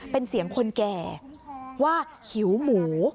เป็นเสียงคนแก่ว่าหิวหมู